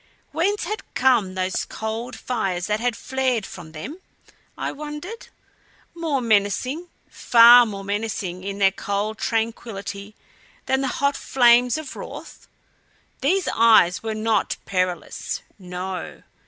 Whence had come those cold fires that had flared from them, I wondered more menacing, far more menacing, in their cold tranquillity than the hot flames of wrath? These eyes were not perilous no.